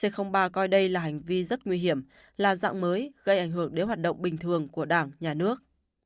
c ba coi đây là hành vi rất nguy hiểm là dạng mới gây ảnh hưởng đến hoạt động bình thường của đảng nhà nước